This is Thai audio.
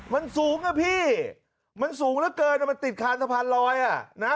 มันสูงนะพี่มันสูงเหลือเกินมันติดคานสะพานลอยอ่ะนะ